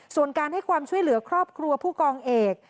ส่วนการให้ความช่วยเหลือครอบครัวผู้กองเอก